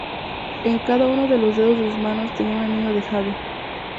En cada uno de los dedos de sus manos tenía un anillo de jade.